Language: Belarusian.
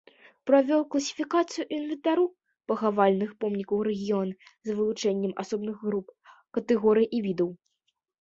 Правёў класіфікацыю інвентару пахавальных помнікаў рэгіёна з вылучэннем асобных груп, катэгорый і відаў.